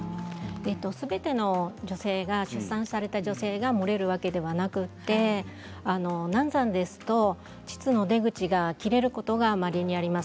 すべての出産された女性が漏れるわけではなくて難産ですと膣の出口が切れることはまれにあります。